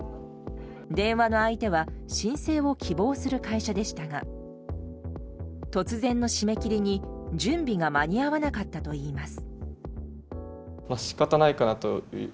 電話の相手は申請を希望する会社でしたが突然の締め切りに準備が間に合わなかったといいます。